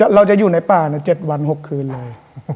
เราจะอยู่ในป่า๗วัน๖คืนเลย